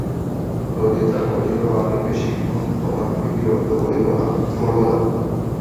ললিতা কহিল, আমি বেশিক্ষণ তোমাকে বিরক্ত করব না।